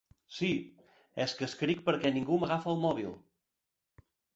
Sí, és que escric perquè ningú m'agafa el mòbil.